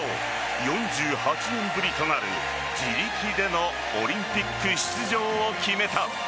４８年ぶりとなる自力でのオリンピック出場を決めた。